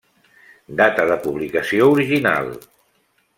Data de publicació original.